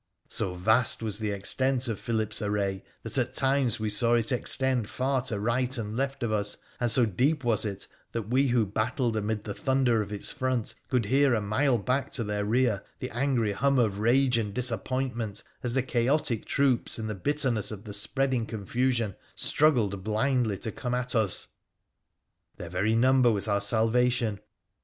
So vast was the extent of Philip's array that at times we saw it extend far to right and left of us ; and so deep was it, that we who battled amid the thunder of its front could hear a mile back to their rear the angry hum of rage and disappoint ment as the chaotic troops, in the bitterness of the spreading confusion, struggled blindly to come at us. Their very number was our salvation.